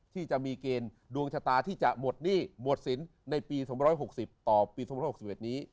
ที่จะมีเกณฑ์ดวงชะตาที่จะหมดหนี้หมดสินในปี๒๖๐ต่อปี๒๐๖๑นี้